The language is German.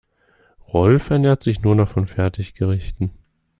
Rolf ernährt sich nur noch von Fertiggerichten.